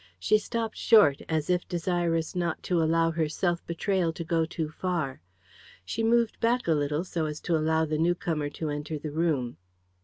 She stopped short, as if desirous not to allow her self betrayal to go too far. She moved a little back, so as to allow the newcomer to enter the room.